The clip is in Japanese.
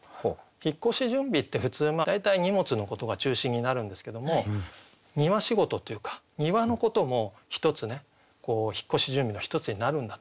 「引越準備」って普通大体荷物のことが中心になるんですけども庭仕事というか庭のことも一つね「引越準備」の一つになるんだと。